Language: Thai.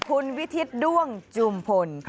คุณวิทิศด้วงจุมพล